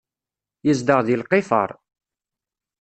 Yezdeɣ deg lqifar.